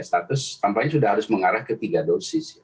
status tampaknya sudah harus mengarah ke tiga dosis